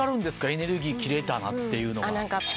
エネルギー切れたなっていうのが。